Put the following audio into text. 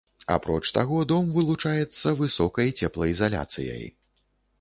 Апроч таго, дом вылучаецца высокай цеплаізаляцыяй.